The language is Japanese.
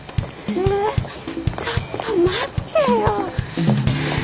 ちょっと待ってよ。